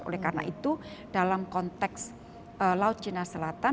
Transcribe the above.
oleh karena itu dalam konteks laut cina selatan